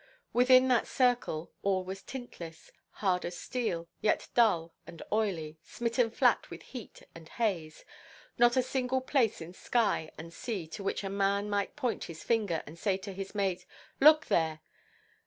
Within that circle all was tintless, hard as steel, yet dull and oily, smitten flat with heat and haze. Not a single place in sky and sea to which a man might point his finger, and say to his mate, "Look there!"